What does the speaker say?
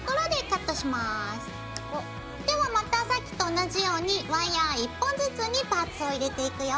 ではまたさっきと同じようにワイヤー１本ずつにパーツを入れていくよ。